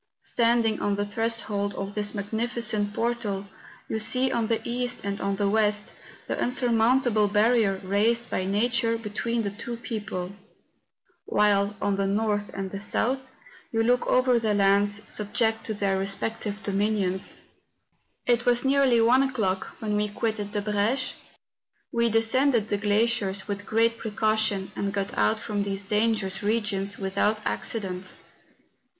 Standing on the threshold of this magnificent portal, you see on the east and on the west the insurmountable barrier raised by nature between the two people : while, on the north and south, you look over the lands sub¬ ject to their respective dominions. 126 MOUNTAIN ADVENTUKES. It was nearly one o'clock when we quitted the Breche. We descended the glaciers with great pre¬ caution, and got out from these dangerous regions without accident.